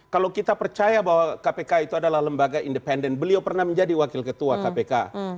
masalah lembaga independen beliau pernah menjadi wakil ketua kpk